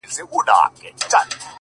مړ به دي کړې داسې مه کوه-